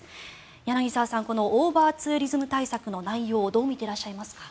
柳澤さん、このオーバーツーリズム対策の内容をどう見てらっしゃいますか？